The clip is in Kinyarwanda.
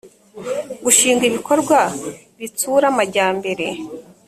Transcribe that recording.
gushinga ibikorwa bitsura amajyambere